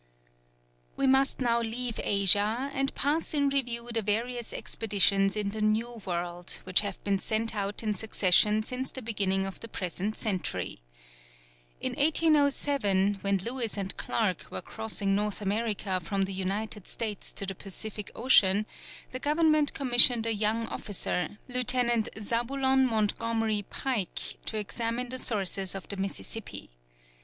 We must now leave Asia and pass in review the various expeditions in the New World, which have been sent out in succession since the beginning of the present century. In 1807, when Lewis and Clarke were crossing North America from the United States to the Pacific Ocean, the Government commissioned a young officer, Lieutenant Zabulon Montgomery Pike, to examine the sources of the Mississippi.